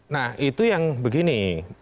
nah itu yang begini